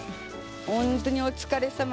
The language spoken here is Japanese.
本当にお疲れさま。